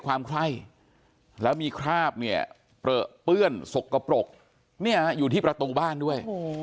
ความไคร้แล้วมีคราบเนี่ยเปลือเปื้อนสกปรกเนี่ยอยู่ที่ประตูบ้านด้วย